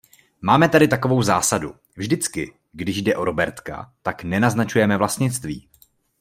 Máme tady takovou zásadu, vždycky když jde o robertka, tak nenaznačujeme vlastnictví.